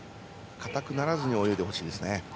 硬くならずに泳いでほしいですね。